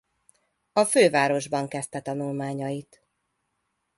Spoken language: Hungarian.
A fővárosban kezdte tanulmányait.